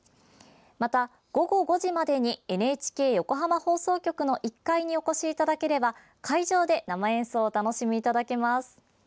また、午後５時までにＮＨＫ横浜放送局の１階にお越しいただければ、会場で生演奏をお楽しみいただけます。